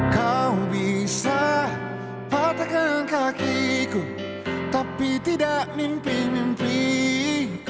kau bisa patahkan kakiku tapi tidak mimpi mimpiku